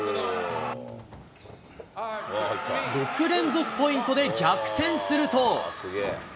６連続ポイントで逆転すると。